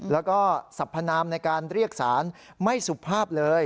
แล้วก็สัพพนามในการเรียกสารไม่สุภาพเลย